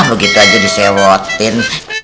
begitu aja disewotin